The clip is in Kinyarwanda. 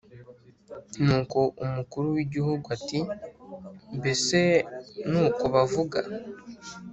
nuko umukuru w'igihugu ati "mbese ni uko bavuga?